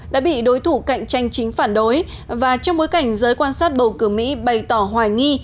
đã bị đối thủ cạnh tranh chính phản đối và trong bối cảnh giới quan sát bầu cử mỹ bày tỏ hoài nghi